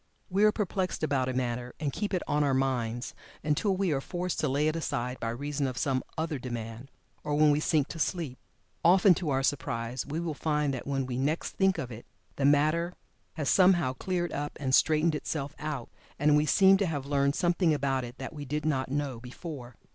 We are perplexed about a matter and keep it "on our minds" until we are forced to lay it aside by reason of some other demand, or when we sink to sleep. Often to our surprise we will find that when we next think of it the matter has somehow cleared up and straightened itself out, and we seem to have learned something about it that we did not know before.